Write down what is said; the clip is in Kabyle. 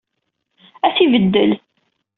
Ad t-ibeddel.